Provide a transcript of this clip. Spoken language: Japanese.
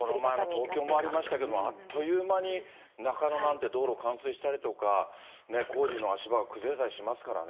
この前の東京もありましたけど、あっという間に中野なんて道路冠水したりとかね、工事の足場が崩れたりしますからね。